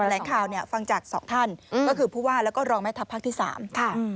แหลงข่าวเนี่ยฟังจากสองท่านก็คือผู้ว่าแล้วก็รองแม่ทัพภาคที่๓ค่ะ